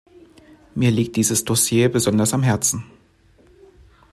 Mir liegt dieses Dossier besonders am Herzen.